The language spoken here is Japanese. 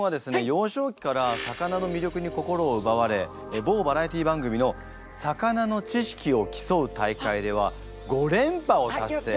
幼少期から魚の魅力に心をうばわれ某バラエティー番組のさかなの知識を競う大会では５連覇を達成。